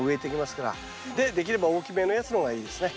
できれば大きめのやつの方がいいですね。